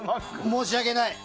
申し訳ない。